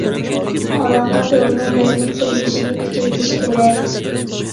ئالاقە تورىنىڭ مەزمۇن قۇرۇلۇشىنى كۈچەيتىش كېرەك.